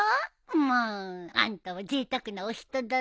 もうあんたもぜいたくなお人だね。